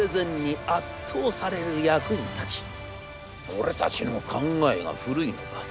『俺たちの考えが古いのか？』。